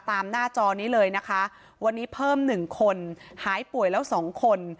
หน้าจอนี้เลยนะคะวันนี้เพิ่มหนึ่งคนหายป่วยแล้วสองคน